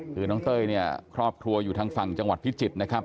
คือน้องเต้ยครอบทัวร์อยู่ทางฟังจังหวัดพิจิตย์นะครับ